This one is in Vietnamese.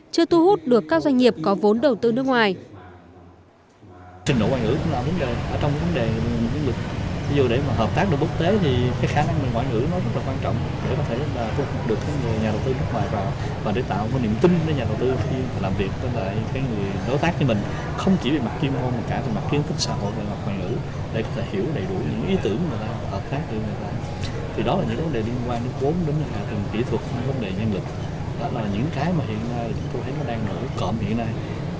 chưa thu hút được các doanh nghiệp có vốn đầu tư nước ngoài